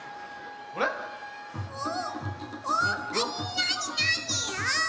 なになに？